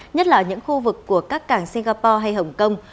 nhất là những khu vực của các cảng singapore hay hồng kông